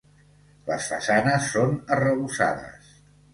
Les façanes són arrebossades.